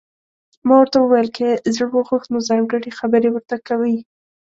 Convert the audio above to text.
ما ورته وویل: که یې زړه وغوښت، نو ځانګړي خبرې ورته کوي.